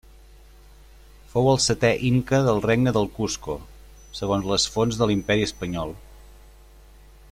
Fou el setè inca del regne del Cusco, segons les fonts de l'Imperi Espanyol.